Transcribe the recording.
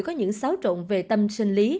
có những xáo trộn về tâm sinh lý